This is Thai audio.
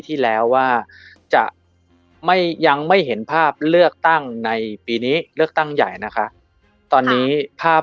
ถ้าเขาทำได้ตามสิ่งที่เขาหวังมันดีขึ้นแน่นอนค่ะ